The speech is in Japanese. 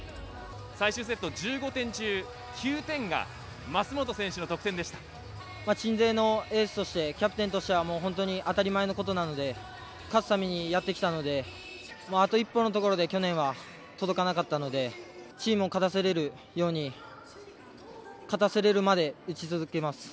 最終セット１５点中鎮西のエースとしてキャプテンとしては当たり前のことなので勝つために、やってきたのであと一歩のところで去年は届かなかったのでチームを勝たせられるように勝たせられるまで打ち続けます。